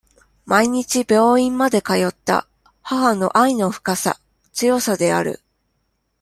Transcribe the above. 毎日病院まで通った、母の愛の深さ、強さである。